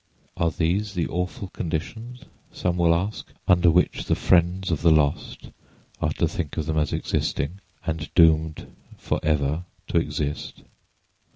Are these the awful conditions (some will ask) under which the friends of the lost are to think of them as existing, and doomed forever to exist?